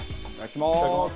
いただきます！